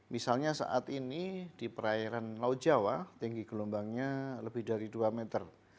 misalnya saat ini di perairan laut jawa tinggi gelombangnya lebih dari dua meter